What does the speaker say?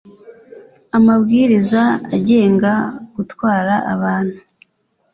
amabwiriza agenga gutwara abantu